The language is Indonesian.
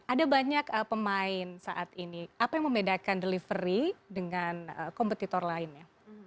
ada banyak pemain saat ini apa yang membedakan delivery dengan kompetitor lainnya